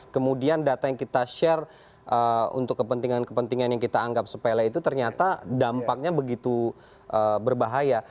kemudian data yang kita share untuk kepentingan kepentingan yang kita anggap sepele itu ternyata dampaknya begitu berbahaya